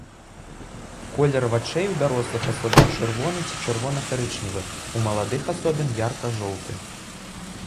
Колер вачэй у дарослых асобін чырвоны ці чырвона-карычневы, у маладых асобін ярка-жоўты.